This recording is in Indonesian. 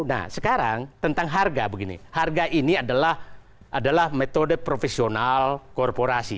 nah sekarang tentang harga begini harga ini adalah metode profesional korporasi